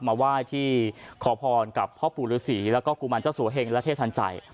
มาไหว้ที่ขอพรกับพ่อปู่ฤษีแล้วก็กุมารเจ้าสัวเฮงและเทพทันใจ